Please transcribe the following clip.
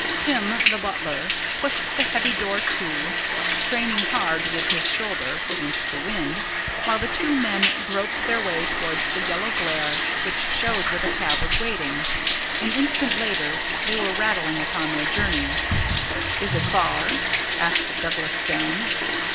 Pim, the butler, pushed the heavy door to, straining hard with his shoulder against the wind, while the two men groped their way towards the yellow glare which showed where the cab was waiting. An instant later they were rattling upon their journey. "Is it far?" asked Douglas Stone.